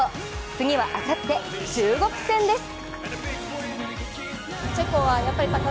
次はあさって、中国戦です。